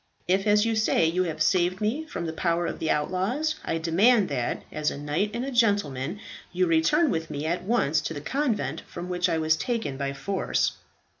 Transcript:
If, as you say, you have saved me from the power of the outlaws, I demand that, as a knight and a gentleman, you return with me at once to the convent from which I was taken by force."